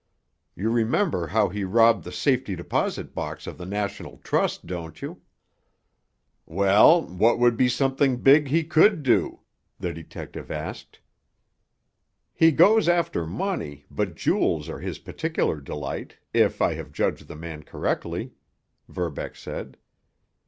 You remember how he robbed the safety deposit boxes of the National Trust, don't you?" "Well, what would be something big he could do?" the detective asked. "He goes after money, but jewels are his particular delight, if I have judged the man correctly," Verbeck said.